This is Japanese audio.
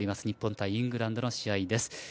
日本対イングランドの試合です。